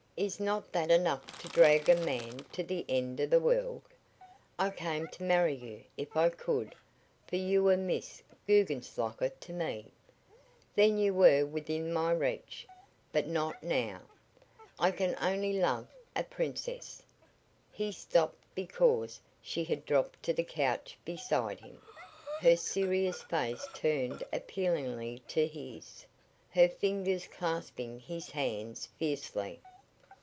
Is not that enough to drag a man to the end of the world? I came to marry you if I could, for you were Miss Guggenslocker to me. Then you were within my reach, but not now! I can only love a princess!" He stopped because she had dropped to the couch beside him, her serious face turned appealingly to his, her fingers clasping his hands fiercely.